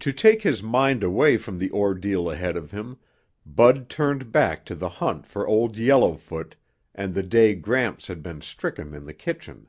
To take his mind away from the ordeal ahead of him, Bud turned back to the hunt for Old Yellowfoot and the day Gramps had been stricken in the kitchen.